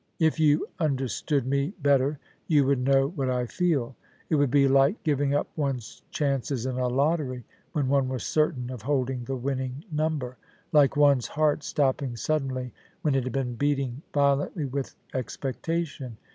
If you understood me better, you would know what I feel ... It would be like giving up one's chances in a lotter}^ when one was certain of holding the winning number — like one's heart stopping suddenly when it had been beating violently with expecta tion.